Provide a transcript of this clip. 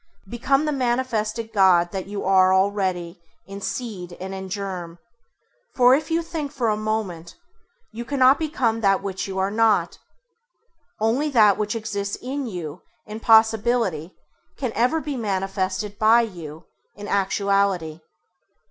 Become the manifested God that you are already in seed and in germ; for, if you think for a moment, you cannot become that which you are not. Only that which exists in you in possibility can ever be manifested by you in actuality.